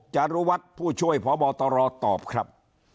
จารุวัฒน์ผู้ช่วยพบตรตอบครับ